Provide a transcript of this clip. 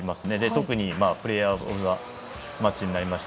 特にプレーヤーオブザマッチになりました